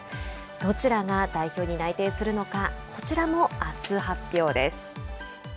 どちらが代表に内定するのかこちらもあす発表です。